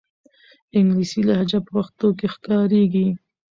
انګلیسي لهجه په پښتو کې ښکاري.